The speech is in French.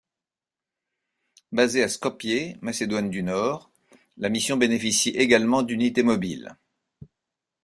Basée à Skopje, Macédoine du Nord, la mission bénéficie également d'unités mobiles.